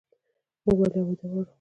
موږ ولې ابادي غواړو؟